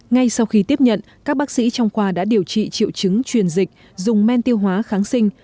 ngay sau khi tiếp nhận các bác sĩ trong khoa đã điều trị triệu chứng truyền dịch dùng men tiêu hóa kháng sinh